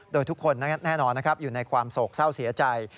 โดยทุกคนแน่นอนนะครับอยู่ในความโศกเศร้าเสียใจ